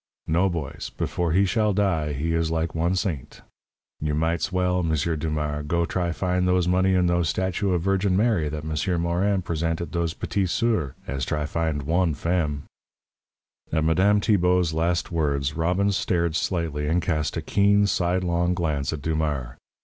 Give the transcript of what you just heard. No, boys. Before he shall die, he is like one saint. You might's well, M'sieur Dumars, go try find those money in those statue of Virgin Mary that M'sieur Morin present at those p'tite soeurs, as try find one femme." At Madame Tibault's last words, Robbins started slightly and cast a keen, sidelong glance at Dumars.